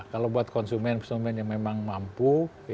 kalau buat konsumen konsumen yang memang mampu